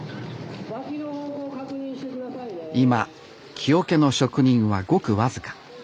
今木桶の職人はごく僅か。